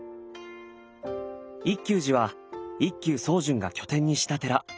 一休寺は一休宗純が拠点にした寺。